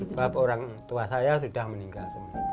sebab orang tua saya sudah meninggal